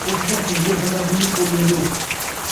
پچھدیں پچھدیں بندہ دلی پُڄ ویندے